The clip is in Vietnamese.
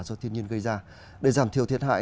do thiên nhiên gây ra để giảm thiểu thiệt hại